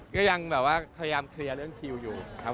ก็ยังแบบว่าพยายามเคลียร์เรื่องคิวอยู่ครับ